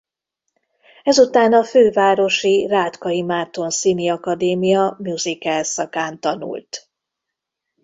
Ezután a fővárosi Rátkai Márton Színiakadémia musical szakán tanult.